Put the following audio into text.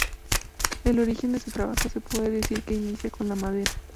El origen de su trabajo se puede decir que inicia con la madera.